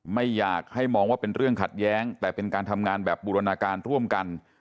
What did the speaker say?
ไม่อยากให้มองว่าเป็นเรื่องขัดแย้งแต่เป็นการทำงานแบบบูรณาการร่วมกัน